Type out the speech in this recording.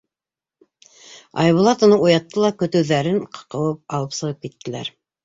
Айбулат уны уятты ла көтөүҙәрен ҡыуып алып сығып киттеләр.